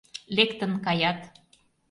Лектын каят.